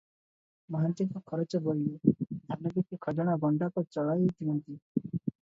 ମହାନ୍ତିଙ୍କ ଖରଚ ବୋଇଲେ, ଧାନ ବିକି ଖଜଣା ଗଣ୍ଡାକ ଚଳାଇ ଦିଅନ୍ତି ।